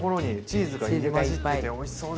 チーズがいっぱい。